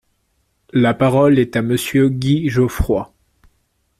La parole est à Monsieur Guy Geoffroy.